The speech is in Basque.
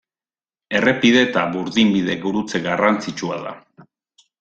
Errepide eta burdinbide gurutze garrantzitsua da.